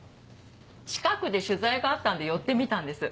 近くで取材があったんで寄ってみたんです。